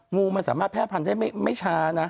งูมันสามารถแพร่พันธุ์ได้ไม่ช้านะ